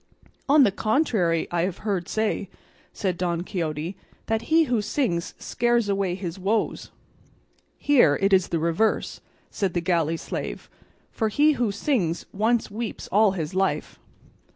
"On the contrary, I have heard say," said Don Quixote, "that he who sings scares away his woes." "Here it is the reverse," said the galley slave; "for he who sings once weeps all his life."